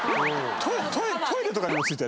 トイレとかにもついてたよね。